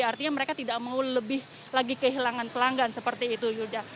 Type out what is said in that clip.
artinya mereka tidak mau lebih lagi kehilangan pelanggan seperti itu yuda